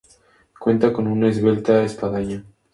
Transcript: Cuenta con una esbelta espadaña.